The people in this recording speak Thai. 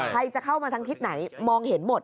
ใครจะเข้ามาทางทิศไหนมองเห็นหมด